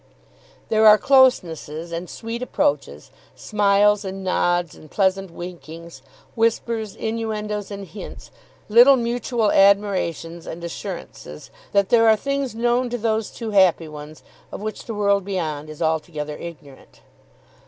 There are closenesses and sweet approaches, smiles and nods and pleasant winkings, whispers, innuendoes and hints, little mutual admirations and assurances that there are things known to those two happy ones of which the world beyond is altogether ignorant.